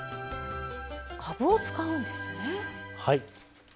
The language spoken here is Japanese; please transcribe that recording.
かぶを使うんですね。